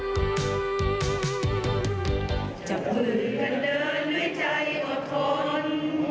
จับมือกันเดินด้วยใจอดทน